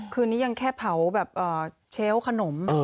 คืนนี้ยังแค่เผาแบบเชลล์ขนม